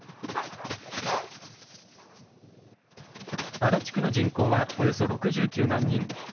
足立区の人口はおよそ６９万人。